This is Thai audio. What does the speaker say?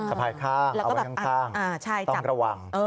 สะพายข้างเอาไว้ข้างต้องระวัง